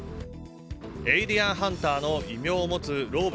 エイリアンハンターの異名を持つローブ